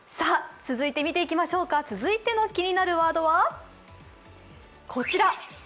続いて見ていきましょう、続いての気になるワードはこちら。